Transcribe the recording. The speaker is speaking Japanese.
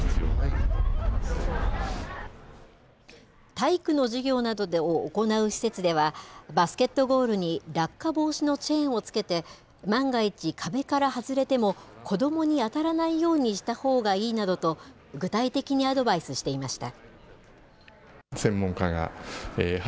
体育の授業などを行う施設では、バスケットゴールに落下防止のチェーンをつけて、万が一、壁から外れても、子どもに当たらないようにしたほうがいいなどと、具体的にアドバイスしていました。